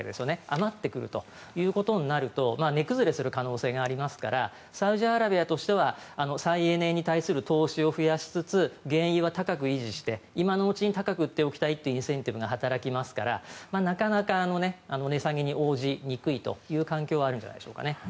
余ってくるということになると値崩れする可能性がありますからサウジアラビアとしては再エネに対する投資を増やしつつ原油は高く維持して、今のうちに高く売っておきたいというインセンティブが働きますからなかなか値下げに応じにくいという環境はあるんじゃないでしょうか。